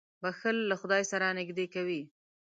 • بښل له خدای سره نېږدې کوي.